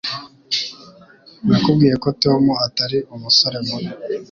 Nakubwiye ko Tom atari umusore mubi